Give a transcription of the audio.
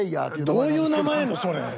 どういう名前それ。